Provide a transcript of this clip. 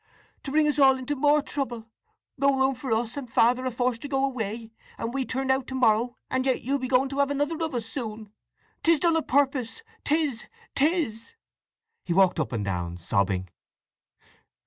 To bring us all into more trouble! No room for us, and Father a forced to go away, and we turned out to morrow; and yet you be going to have another of us soon! … 'Tis done o' purpose!—'tis—'tis!" He walked up and down sobbing.